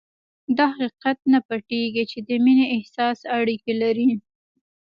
دا حقيقت نه پټېږي چې د مينې احساس اړيکې لري.